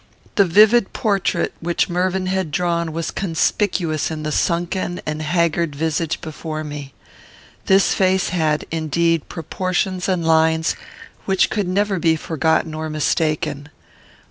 The vivid portrait which Mervyn had drawn was conspicuous in the sunken and haggard visage before me. This face had, indeed, proportions and lines which could never be forgotten or mistaken.